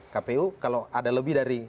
kpu kalau ada lebih dari